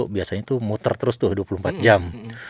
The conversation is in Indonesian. biasanya itu muter terus tuh dua puluh empat jam